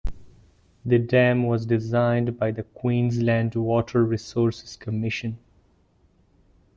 The dam was designed by the Queensland Water Resources Commission.